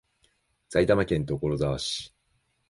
埼玉県所沢市